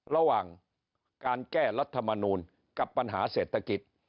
ระหว่างการแก้รัฐมนูลกับปัญหาเศรษฐกิจ